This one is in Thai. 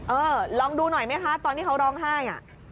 เออลองดูหน่อยไหมคะตอนที่เขาร้องไห้